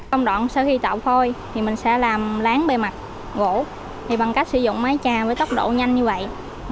công đoạn sau khi tạo khôi thì mình sẽ làm lán bề mặt gỗ bằng cách sử dụng máy chà với tốc độ nhanh như vậy